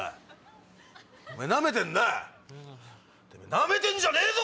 ナメてんじゃねえぞ！